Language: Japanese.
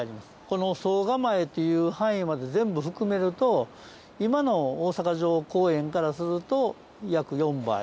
この「総構」っていう範囲まで全部含めると今の大阪城公園からすると約４倍。